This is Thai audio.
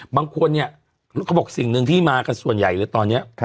บางคนเนี่ยเขาบอกสิ่งหนึ่งที่มากันส่วนใหญ่เลยตอนนี้